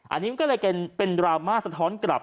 อันนี้มันก็เลยเป็นดราม่าสะท้อนกลับ